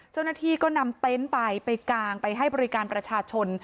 เจ้าหน้าที่ก็นำเต็นต์ไปไปกางไปให้บริการประชาชน